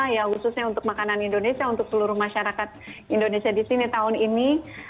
ya khususnya untuk makanan indonesia untuk seluruh masyarakat indonesia di sini tahun ini